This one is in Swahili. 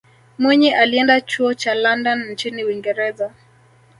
mwinyi alienda chuo cha london nchini uingereza